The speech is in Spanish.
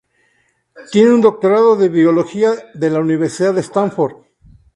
Tiene un doctorado en biología de la Universidad Stanford.